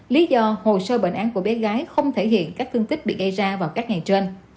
lý do hồ sơ bệnh án của bé gái không thể hiện các thương tích bị gây ra vào các ngày trên